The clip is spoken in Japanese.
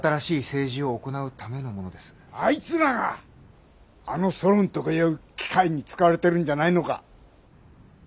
あいつらがあのソロンとかいう機械に使われてるんじゃないのか！